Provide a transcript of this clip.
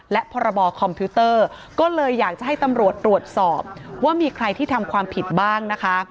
และพรบคอมพิวเตอร์ก็เลยอยากจะให้ตำรวจตรวจสอบว่ามีใครที่ทำความผิดบ้างนะคะ